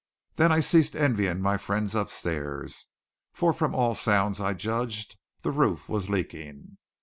Then I ceased envying my friends upstairs; for from all sounds I judged the roof was leaking.